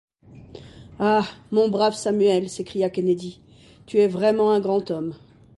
Ah! mon brave Samuel ! s’écria Kennedy, tu es vraiment un grand homme !